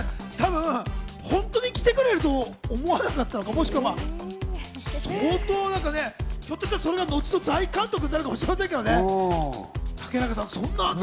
多分本当に来てくれると思わなかったのか、ひょっとしたら、それが、のちの大監督になるかもしれませんからね。